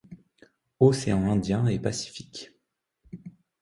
Océan Indien et Pacifique.